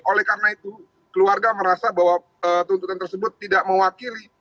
oleh karena itu keluarga merasa bahwa tuntutan tersebut tidak mewakili